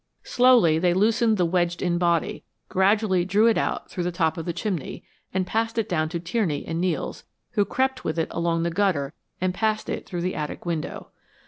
Slowly they loosened the wedged in body, gradually drew it out through the top of the chimney, and passed it down to Tierney and Nels, who crept with it along the gutter and passed it through the attic window.